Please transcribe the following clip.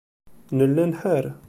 Nella nḥar.